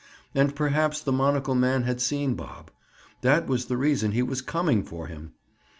And perhaps the monocle man had seen Bob. That was the reason he was "coming for him."